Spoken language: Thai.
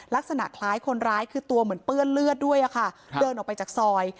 ลักษณะคล้ายคนร้ายคือตัวเหมือนเปื้อนเลือดด้วยค่ะเดินออกไปจากซอย